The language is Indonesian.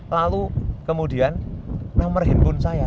lalu kemudian nomor handphone saya